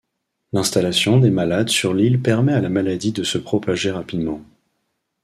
L'installation des malades sur l'île permet à la maladie de se propager rapidement.